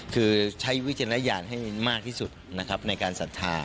คือใช้วิจารณญาณให้มากที่สุดนะครับในการศรัทธา